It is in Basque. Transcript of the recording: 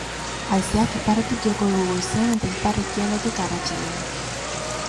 Haizeak iparretik joko du goizean eta ipar-ekialdetik arratsaldean.